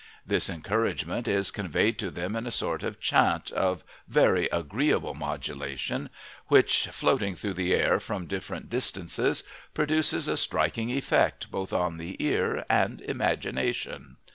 This encouragement is conveyed to them in a sort of chaunt, of very agreeable modulation, which, floating through the air from different distances, produces a striking effect both on the ear and imagination.